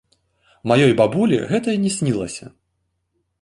Маёй бабулі гэта і не снілася!